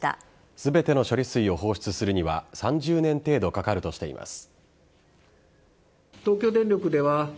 全ての処理水を放出するには３０年程度かかるとしています。